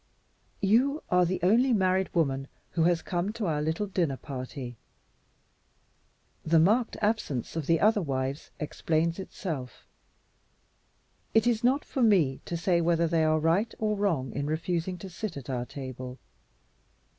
"You are the only married woman who has come to our little dinner party. The marked absence of the other wives explains itself. It is not for me to say whether they are right or wrong in refusing to sit at our table.